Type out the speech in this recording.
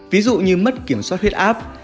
ví dụ như mất kiểm soát huyết áp